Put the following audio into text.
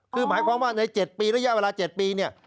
คือหมายความว่าใน๗ปีระยะเวลา๗ปีเนี่ย